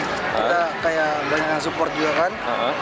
kita kayak banyak support juga kan